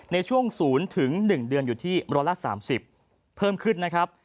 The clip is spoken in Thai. ในช่วง๐๑เดือนอยู่ที่๑๓๐เพิ่มขึ้นนะครับ